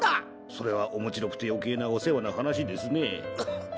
それはおもちろくて余計なお世話な話ですね。